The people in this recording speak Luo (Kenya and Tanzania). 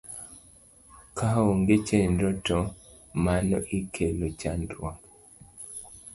Kaonge chenro to mano ikelo chandruok